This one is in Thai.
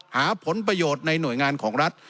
หาผลประโยชน์ในหน่วยงานของรัฐ